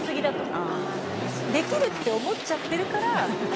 できるって思っちゃってるからあっ